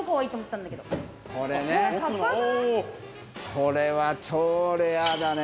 これは超レアだね。